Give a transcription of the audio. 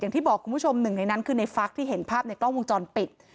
ที่บอกคุณผู้ชมหนึ่งในนั้นคือในฟักที่เห็นภาพในกล้องวงจรปิด